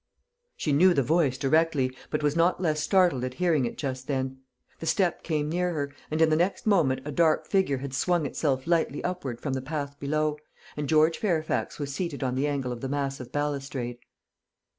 She knew the voice directly, but was not less startled at hearing it just then. The step came near her, and in the next moment a dark figure had swung itself lightly upward from the path below, and George Fairfax was seated on the angle of the massive balustrade.